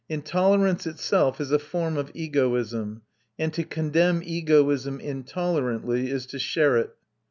Intolerance itself is a form of egoism, and to condemn egoism intolerantly is to share it.